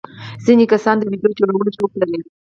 ځینې کسان د ویډیو جوړولو شوق لري.